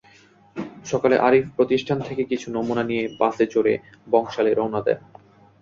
সকালে আরিফ প্রতিষ্ঠান থেকে কিছু নমুনা নিয়ে বাসে চড়ে বংশালে রওনা দেন।